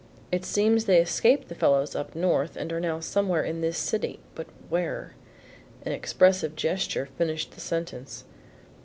It seems they escaped the fellows up north and are now somewhere in this city, but where " An expressive gesture finished the sentence.